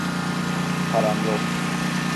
Param yok.